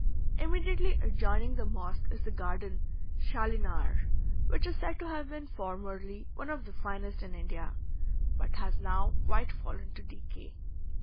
Immediately adjoining the mosque is the garden "Schalinar," which is said to have been formerly one of the finest in India, but has now quite fallen to decay.